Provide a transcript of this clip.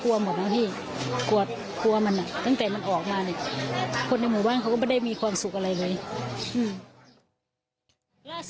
หมดนะพี่กลัวมันอ่ะตั้งแต่มันออกมาเนี่ยคนในหมู่บ้านเขาก็ไม่ได้มีความสุขอะไรเลย